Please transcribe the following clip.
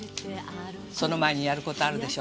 その前にやる事あるでしょ。